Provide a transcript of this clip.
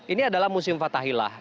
ini adalah musim fatahillah